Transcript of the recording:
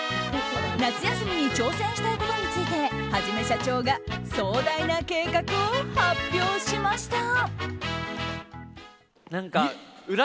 夏休みに挑戦したいことについてはじめしゃちょーが壮大な計画を発表しました。